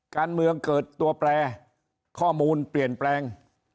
การเมืองเกิดตัวแปรข้อมูลเปลี่ยนแปลง